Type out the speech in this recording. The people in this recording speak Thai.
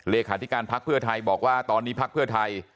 เลขาธิการพักเพื่อไทยบอกว่าตอนนี้พักเพื่อไทย